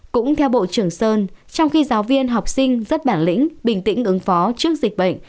cũng theo bộ trưởng sơn trong khi giáo viên học sinh rất bản lĩnh bình tĩnh ứng phó trước dịch bệnh